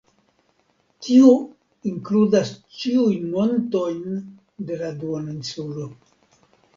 Tiu inkludas ĉiujn montojn de la duoninsulo.